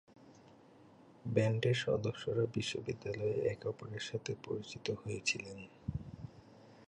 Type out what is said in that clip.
ব্যান্ডের সদস্যরা বিশ্ববিদ্যালয়ে একে অপরের সাথে পরিচিত হয়েছিলেন।